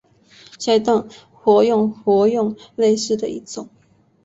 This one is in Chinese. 下一段活用活用类型的一种。